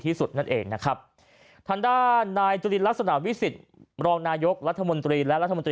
ให้เหมือนกับที่จีนนั้นดูแลคนไทยอย่างดีที่สุดนั่นเอง